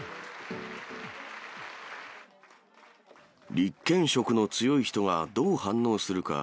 立憲色の強い人がどう反応するか。